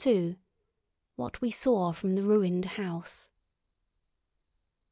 II. WHAT WE SAW FROM THE RUINED HOUSE.